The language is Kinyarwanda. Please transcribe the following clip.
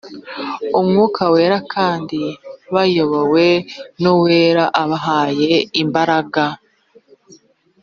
umwuka wera kandi bayobowe n ‘uwera abahaye imbaraga